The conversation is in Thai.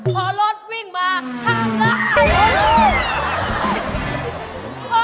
พอรถวิ่งมาข้ามได้